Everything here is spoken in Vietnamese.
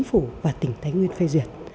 phủ và tỉnh thái nguyên phê duyệt